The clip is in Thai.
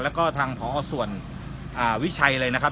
แล้วก็ทางพอส่วนวิชัยเลยนะครับ